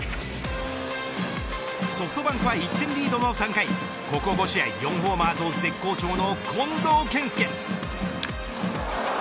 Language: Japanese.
ソフトバンクは１点リードの３回、ここ５試合をホーマーと絶好調の近藤健介。